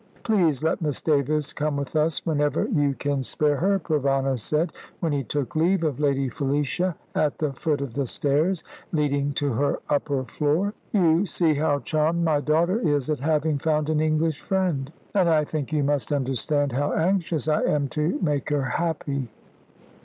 "Please let Miss Davis come with us whenever you can spare her," Provana said, when he took leave of Lady Felicia at the foot of the stairs leading to her upper floor. "You see how charmed my daughter is at having found an English friend; and I think you must understand how anxious I am to make her happy."